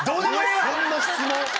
そんな質問？